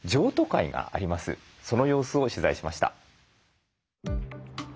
その様子を取材しました。